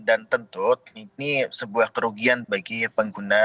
dan tentu ini sebuah kerugian bagi pengguna